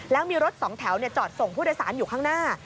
แล้วมีรถสองแถวจอดส่งผู้โดยสารอยู่ข้างหน้า